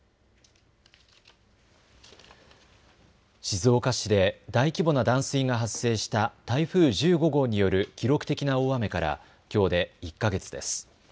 静岡市で大規模な断水が発生した台風１５号による記録的な大雨からきょうで１か月です。